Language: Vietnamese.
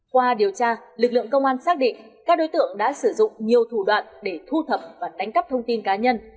qua điều tra lực lượng công an xác định các đối tượng đã sử dụng nhiều thủ đoạn để thu thập và đánh cắp thông tin cá nhân